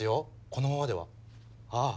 このままではあ